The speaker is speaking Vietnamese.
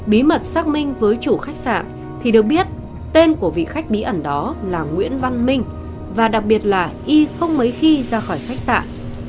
bí mật xác minh với chủ khách sạn thì được biết tên của vị khách bí ẩn đó là nguyễn văn minh và đặc biệt là y không mấy khi ra khỏi khách sạn